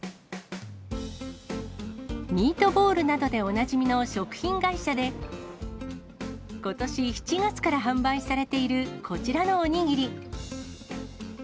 ミートボールなどでおなじみの食品会社で、ことし７月から販売されているこちらのお握り。